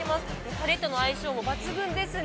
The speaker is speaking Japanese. タレとの相性も抜群ですね。